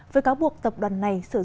với cáo buộc tập đoàn này bị thẩm vấn